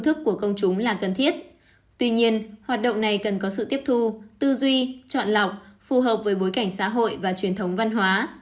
tuy nhiên hoạt động này cần có sự tiếp thu tư duy chọn lọc phù hợp với bối cảnh xã hội và truyền thống văn hóa